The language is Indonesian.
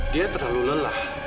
dia terlalu lelah